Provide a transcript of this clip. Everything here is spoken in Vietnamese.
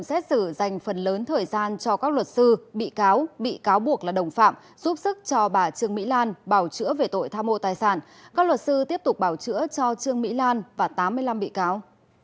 xét xử dành phần lớn thời gian cho các luật sư bị cáo bị cáo buộc là đồng phạm giúp sức cho bà trương mỹ lan bảo chữa về tội tham mô tài sản các luật sư tiếp tục bảo chữa cho trương mỹ lan và tám mươi năm bị cáo